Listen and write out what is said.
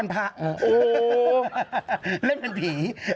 เล่นเป็นผี